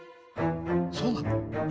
そうなの？